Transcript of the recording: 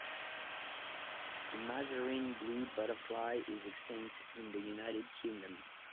The Mazarine Blue butterfly is extinct in the United Kingdom.